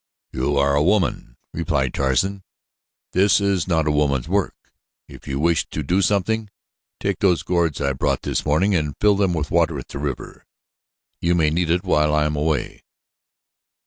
"You are a woman," replied Tarzan. "This is not a woman's work. If you wish to do something, take those gourds I brought this morning and fill them with water at the river. You may need it while I am away."